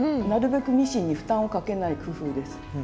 なるべくミシンに負担をかけない工夫です。